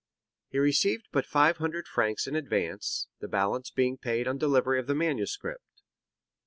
He received but five hundred francs in advance, the balance being paid on delivery of the manuscript.